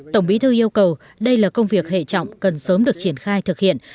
tổng bí thư yêu cầu đây là công việc hệ trọng cần sớm được triển khai thực hiện